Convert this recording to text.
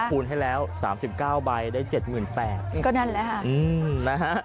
คูณให้แล้ว๓๙ใบได้๗๘๐๐๐ก็นั่นแหละค่ะ